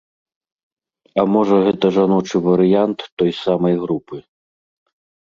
А можа гэта жаночы варыянт той самай групы.